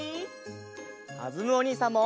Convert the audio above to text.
かずむおにいさんも！